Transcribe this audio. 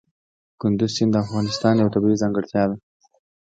کندز سیند د افغانستان یوه طبیعي ځانګړتیا ده.